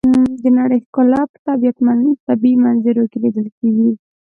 د نړۍ ښکلا په طبیعي منظرو کې لیدل کېږي.